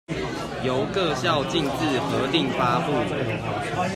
由各校逕自核定發布